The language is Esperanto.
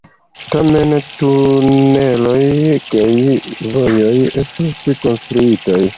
Tamen, tuneloj kaj vojoj estis konstruitaj.